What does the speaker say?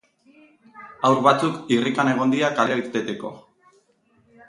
Haur batzuk irrikan egon dira kalera irteteko.